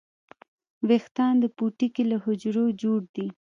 ویښتان د پوټکي له حجرو جوړ دي